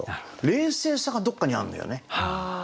冷静さがどっかにあるんだよね。